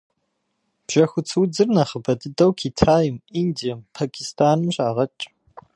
Бжьэхуц удзыр нэхъыбэ дыдэу Китайм, Индием, Пакистаным щагъэкӏ.